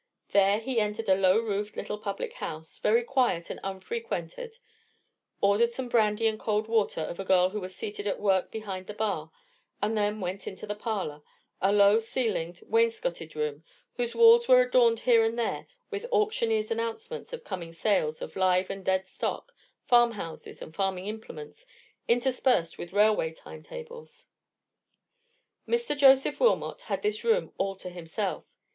There he entered a low roofed little public house, very quiet and unfrequented, ordered some brandy and cold water of a girl who was seated at work behind the bar, and then went into the parlour,—a low ceilinged, wainscoted room, whose walls were adorned here and there with auctioneers' announcements of coming sales of live and dead stock, farm houses, and farming implements, interspersed with railway time tables. Mr. Joseph Wilmot had this room all to himself.